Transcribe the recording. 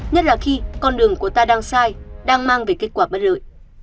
nhất là khi con đường của ta đang sai đang mang về kết quả bất lợi